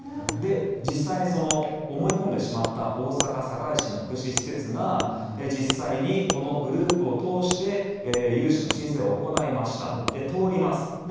実際に思い込んでしまった大阪府堺市の福祉施設が実際に、このグループを通して融資の申請を行いまして通ります。